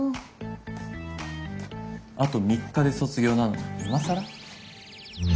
あと３日で卒業なのに今更？